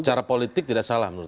secara politik tidak salah menurut